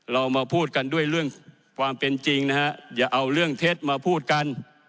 เรามาพูดกันด้วยเรื่องความเป็นจริงนะฮะอย่าเอาเรื่องเท็จมาพูดกัน